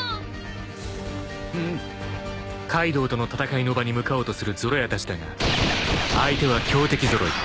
［カイドウとの戦いの場に向かおうとするゾロ屋たちだが相手は強敵揃い。